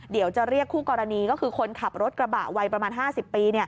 เดี๋ยวจะเรียกคู่กรณีก็คือคนขับรถกระบะวัยประมาณ๕๐ปี